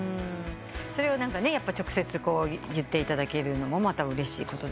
それを直接言っていただけるのもまたうれしいことですもんね。